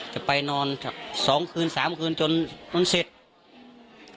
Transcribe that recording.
จะไปนอนสองคืนสามคืนจนมันเสร็จ